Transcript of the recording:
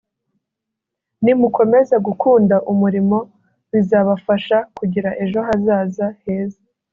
nimukomeza gukunda umurimo bizabafasha kugira ejo hazaza heza”